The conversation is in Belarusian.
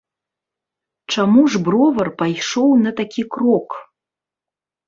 Чаму ж бровар пайшоў на такі крок?